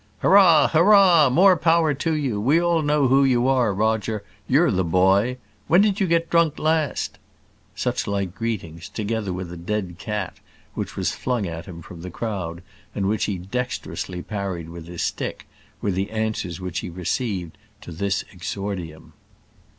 "Hurrah! Hur r rah! more power to you we all know who you are, Roger. You're the boy! When did you get drunk last?" Such like greetings, together with a dead cat which was flung at him from the crowd, and which he dexterously parried with his stick, were the answers which he received to this exordium.